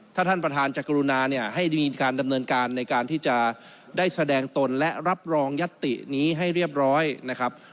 ถ้าท่านประธานจะกรุณาเนี่ยให้มีการดำเนินการในการที่จะได้แสดงตนและรับรองยัตตินี้ให้เรียบร้อยนะครับ